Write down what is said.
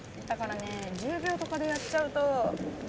だから１０秒とかでやっちゃうと。